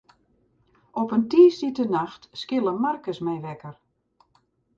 Op in tiisdeitenacht skille Markus my wekker.